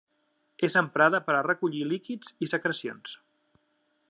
És emprada per a recollir líquids i secrecions.